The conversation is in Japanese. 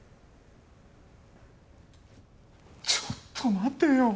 ちょっと待てよ。